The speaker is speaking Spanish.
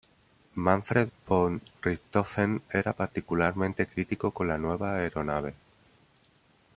Manfred von Richthofen era particularmente crítico con la nueva aeronave.